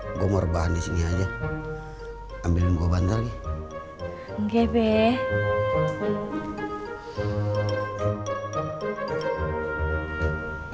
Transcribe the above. nggak cukup baru tahu